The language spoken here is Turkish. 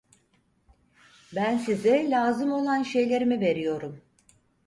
Ben size lazım olan şeylerimi veriyorum.